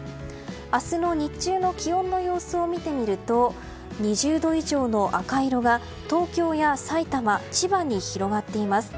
明日の日中の気温の様子を見てみると２０度以上の赤色が東京や、さいたま千葉に広がっています。